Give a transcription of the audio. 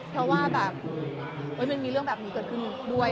เพราะว่าแบบมันมีเรื่องแบบนี้เกิดขึ้นด้วย